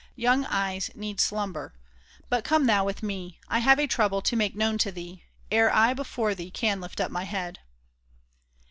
" Young eyes need slumber. But come thou with me. I have a trouble to make known to thee Ere I before thee can lift up my head."